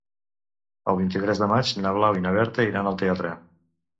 El vint-i-tres de maig na Blau i na Berta iran al teatre.